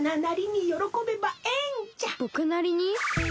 ぼくなりに？